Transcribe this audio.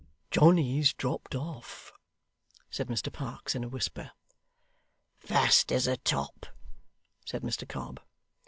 'Johnny's dropped off,' said Mr Parkes in a whisper. 'Fast as a top,' said Mr Cobb.